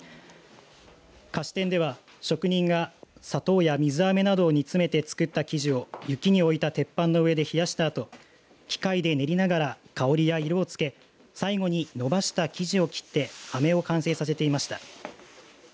菓子店では、職人が砂糖や水アメなどを煮詰めて作った生地を雪に置いた鉄板の上で冷やしたあと機械で練りながら香りや色をつけ最後に伸ばした生地を切ってアメを完成させていました。